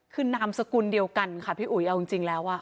คือนามสกุลเดียวกันค่ะพี่อุ๋ยเอาจริงแล้ว